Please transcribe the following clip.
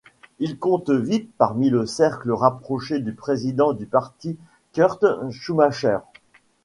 Il compte vite parmi le cercle rapproché du président du parti Kurt Schumacher.